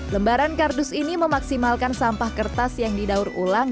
lembaran kardus ini memaksimalkan sampah kertas yang didaur ulang